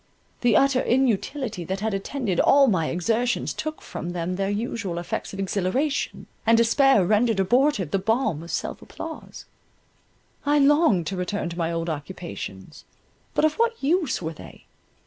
The utter inutility that had attended all my exertions took from them their usual effects of exhilaration, and despair rendered abortive the balm of self applause—I longed to return to my old occupations, but of what use were they?